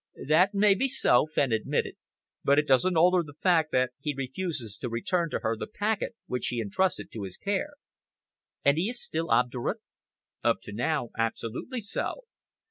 "That may be so," Fenn admitted, "but it doesn't alter the fact that he refuses to return to her the packet which she entrusted to his care." "And he is still obdurate?" "Up to now, absolutely so.